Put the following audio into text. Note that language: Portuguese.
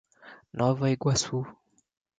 Nova Iguaçu